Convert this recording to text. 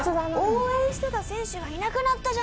応援してた選手がいなくなったじゃねえか！